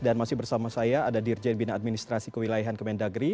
dan masih bersama saya ada dirjen bina administrasi kewilayahan kemendagri